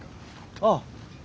ああ。